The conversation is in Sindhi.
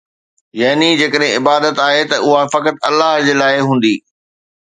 يعني جيڪڏهن عبادت آهي ته اها فقط الله جي لاءِ هوندي